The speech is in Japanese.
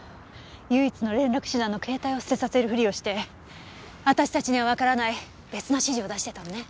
唯一の連絡手段の携帯を捨てさせるふりをして私たちにはわからない別の指示を出してたのね。